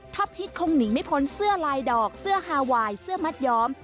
ถ้าพิษคงหนีไม่พ้นเสื้อลายดอกเสื้อฮาไวน์เสื้อมัดย้อม